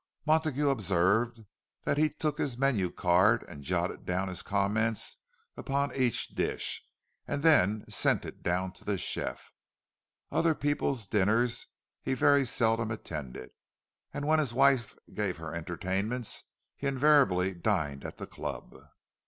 Montague observed that he took his menu card and jotted down his comments upon each dish, and then sent it down to the chef. Other people's dinners he very seldom attended, and when his wife gave her entertainments, he invariably dined at the club.